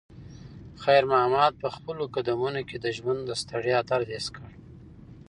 خیر محمد په خپلو قدمونو کې د ژوند د ستړیا درد حس کړ.